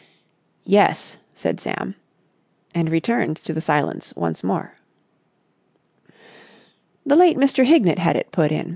"Yes," said Sam, and returned to the silence once more. "The late Mr. Hignett had it put in.